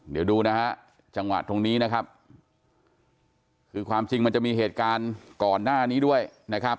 เดี๋ยวดูนะฮะจังหวะตรงนี้นะครับคือความจริงมันจะมีเหตุการณ์ก่อนหน้านี้ด้วยนะครับ